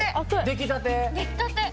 出来たて。